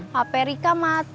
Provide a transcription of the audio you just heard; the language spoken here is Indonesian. hape rika mati baterenya habis